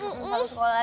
iya satu sekolah